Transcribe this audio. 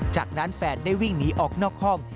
จากนั้นแฟนได้วิ่งหนีออกนอกห้อง